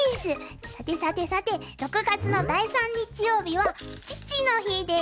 さてさてさて６月の第３日曜日は父の日です。